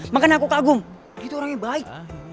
makanya aku kagum dia tuh orang yang baik